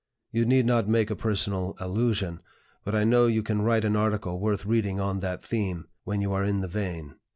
You need not make a personal allusion, but I know you can write an article worth reading on that theme, when you are in the vein."